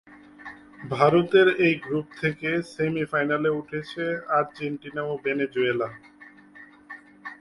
ভারতের এই গ্রুপ থেকে সেমিফাইনালে উঠেছে আর্জেন্টিনা ও ভেনেজুয়েলা।